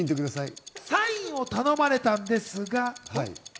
サインを頼まれたんですが。